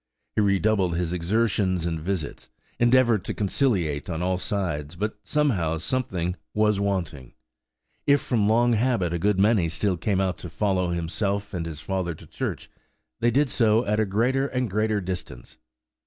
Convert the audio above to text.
He redoubled his exertions and visits, endeavoured to conciliate on all sides; but, somehow, something was wanting. If from long habit a good many still came out to follow himself and his father to church, they did so at a greater and greater distance.